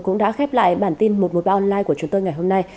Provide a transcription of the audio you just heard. cũng đã khép lại bản tin một trăm một mươi ba online của chúng tôi ngày hôm nay